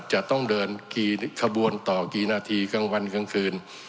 จะต้องเดินกี่ขบวนต่อกี่นาทีกลางวันกลางคืน